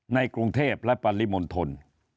ในกรุงเทพและปริมณฑล